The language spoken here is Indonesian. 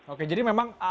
oke jadi memang